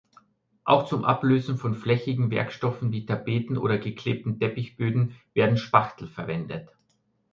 Auch zum Ablösen von flächigen Werkstoffen wie Tapeten oder geklebten Teppichböden werden Spachtel verwendet.